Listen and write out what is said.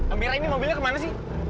ampera ini mobilnya kemana sih